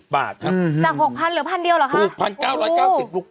จาก๖๐๐๐เหลือ๑๐๐๐เดียวหรอคะ